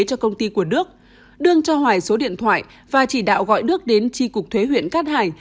cho công ty của đức đương cho hoài số điện thoại và chỉ đạo gọi nước đến tri cục thuế huyện cát hải